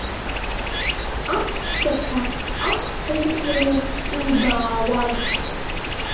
Аԥсшьацәа ацҳа иқәланы илбаауан.